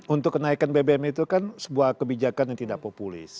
untuk kenaikan bbm itu kan sebuah kebijakan yang tidak populis